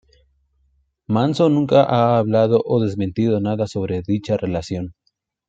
Manson nunca ha hablado o desmentido nada sobre dicha relación.